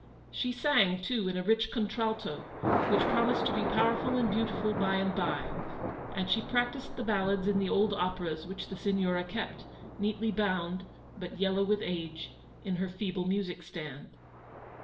She sang, too, in a rich contralto, which promised to be powerful and beautiful by and by ; and she practised the ballads in the old operas which the Signora kept, neatly bound, but yellow with age, in her feeble music stand.